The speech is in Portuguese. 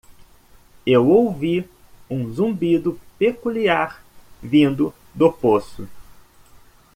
Eu ouvi um zumbido peculiar vindo do poço.